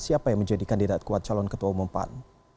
siapa yang menjadi kandidat kuat calon ketua umum pan